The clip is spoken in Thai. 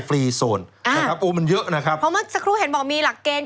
ฟรีโซนอ่านะครับโอ้มันเยอะนะครับเพราะเมื่อสักครู่เห็นบอกมีหลักเกณฑ์